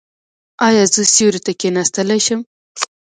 ایا زه سیوري ته کیناستلی شم؟